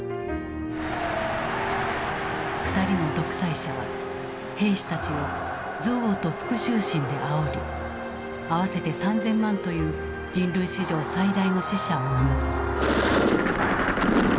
２人の独裁者は兵士たちを「憎悪」と「復讐心」であおり合わせて３０００万という人類史上最大の死者を生む。